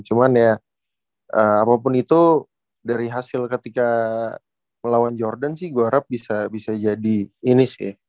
cuman ya apapun itu dari hasil ketika melawan jordan sih gue harap bisa jadi ini sih